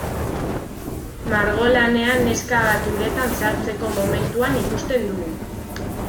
Margolanean neska bat uretan sartzeko momentuan ikusten dugu.